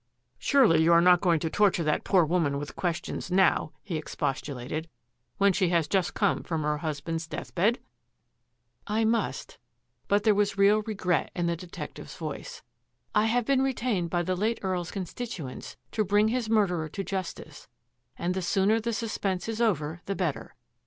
"" Surely you are not going to torture that poor woman with questions now," he expostulated, " when she has just come from her husband's death bed? " £45 246 THAT AFFAIR AT THE MANOR " I must," but there was real regret in the detective's voice. " I have been retained by the late EarPs constituents to bring his murderer to justice, and the sooner the suspense is over the better.